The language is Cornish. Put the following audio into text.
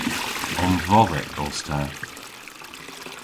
Omvodhek os ta.